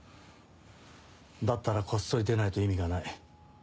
だったらこっそり出ないと意味がない。